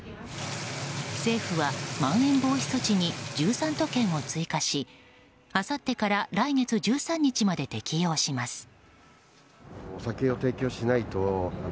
政府はまん延防止措置に１３都県を追加しあさってから来月１３日まで適用します。